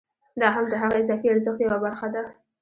دا هم د هغه اضافي ارزښت یوه برخه ده